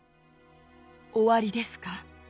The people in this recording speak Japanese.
終わりですか？